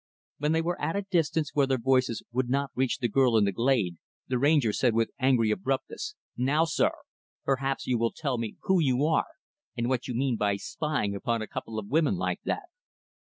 When they were at a distance where their voices would not reach the girl in the glade, the Ranger said with angry abruptness, "Now, sir, perhaps you will tell me who you are and what you mean by spying upon a couple of women, like that."